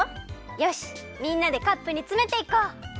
よしみんなでカップにつめていこう！